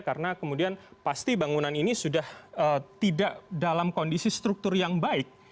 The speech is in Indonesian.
karena kemudian pasti bangunan ini sudah tidak dalam kondisi struktur yang baik